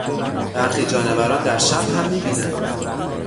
برخی جانوران در شب هم میبینند.